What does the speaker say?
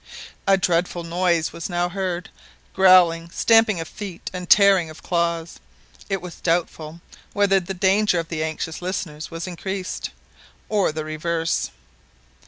A dreadful noise was now heard growling, stamping of feet, and tearing of claws. It was doubtful whether the danger of the anxious listeners was increased, or the reverse.